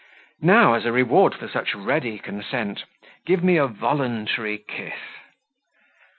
Now, as a reward for such ready consent, give me a voluntary kiss."